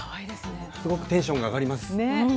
すごくテンションが上がります。